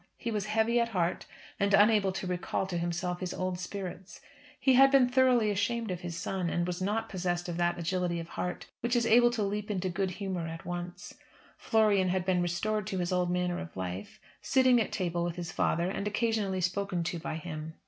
He was heavy at heart, and unable to recall to himself his old spirits. He had been thoroughly ashamed of his son, and was not possessed of that agility of heart which is able to leap into good humour at once. Florian had been restored to his old manner of life; sitting at table with his father and occasionally spoken to by him.